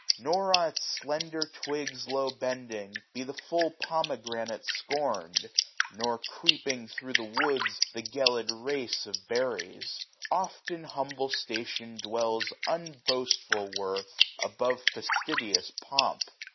Nor, on its slender twigs 680 I.ow bending, be the full pomegranate scorn'd j Nor, creeping thro* the woods, the gelid race Of berries. Oft in humble station dwells Unboastful worth, above fastidious pomp.